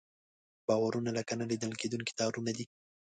باورونه لکه نه لیدل کېدونکي تارونه دي.